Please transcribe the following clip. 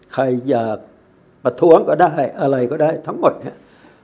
ใครอยากประท้วงก็ได้อะไรก็ได้ทั้งหมดเนี่ย